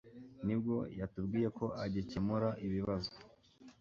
nibwo yatubwiye ko agikemura ibibazo